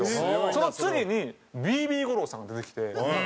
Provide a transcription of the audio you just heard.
その次にＢＢゴローさんが出てきて。